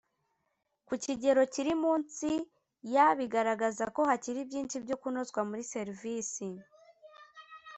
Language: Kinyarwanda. ku kigero kiri munsi ya bigaragaza ko hakiri byinshi byo kunozwa muri serivisi